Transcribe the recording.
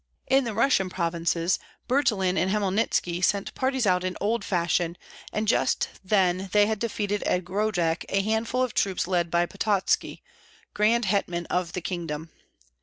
In the Russian provinces Buturlin and Hmelnitski sent parties out in old fashion, and just then they had defeated at Grodek a handful of troops led by Pototski, grand hetman of the kingdom.